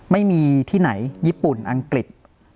ไม่มีที่ไหนญี่ปุ่นอังกฤษ